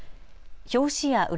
表紙や裏